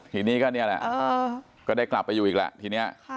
ทีนี้ก็นี่แหละก็ได้กลับไปอยู่อีกแหละทีนี้